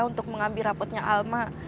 untuk mengambil rapotnya alma